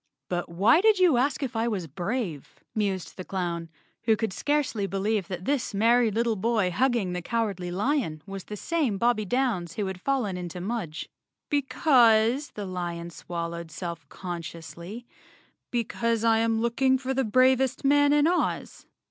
"But why did you ask if I was brave?" mused the clown, who could scarcely believe that this merry lit¬ tle boy hugging the Cowardly Lion was the same Bob 120 Chapter Nine bie Downs who had fallen into Mudge. "Because," the lion swallowed self consciously, "be¬ cause I am looking for the bravest man in Oz."